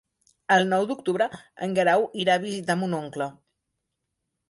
El nou d'octubre en Guerau irà a visitar mon oncle.